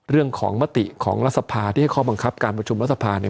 เรื่องของมติของรัฐสภาที่ให้ข้อบังคับการประชุมรัฐสภาเนี่ย